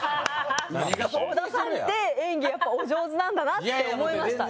小田さんって演技お上手なんだなって思いました。